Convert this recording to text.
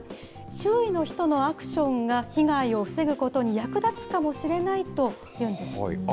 周囲の人のアクションが被害を防ぐことに役立つかもしれないというんです。